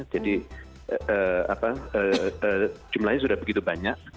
jadi jumlahnya sudah begitu banyak